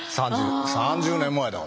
３０年前だから。